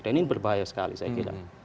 dan ini berbahaya sekali saya kira